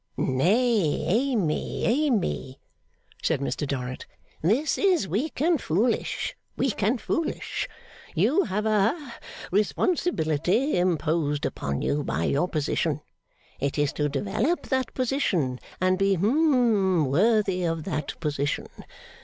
'Nay, Amy, Amy,' said Mr Dorrit. 'This is weak and foolish, weak and foolish. You have a ha responsibility imposed upon you by your position. It is to develop that position, and be hum worthy of that position.